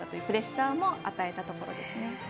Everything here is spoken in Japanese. プレッシャーも与えたところです。